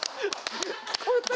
聞こえたよ。